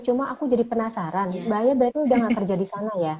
cuma aku jadi penasaran mbak ya berarti udah gak kerja disana ya